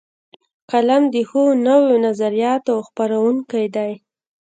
قلم د ښو نویو نظریاتو خپروونکی دی